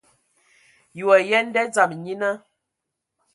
Yi wa yen nda dzama nyina?